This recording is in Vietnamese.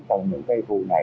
trong những vụ này